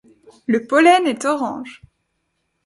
Le pollen est orange.